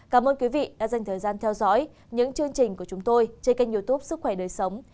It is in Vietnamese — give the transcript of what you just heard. cảm ơn quý vị đã dành thời gian theo dõi những chương trình của chúng tôi trên kênh youtube sức khỏe đời sống